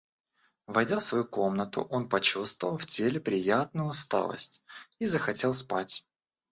Войдя в свою комнату, он почувствовал в теле приятную усталость и захотел спать.